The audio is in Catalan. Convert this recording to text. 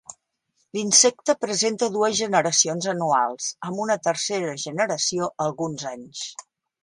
L'insecte presenta dues generacions anuals, amb una tercera generació alguns anys.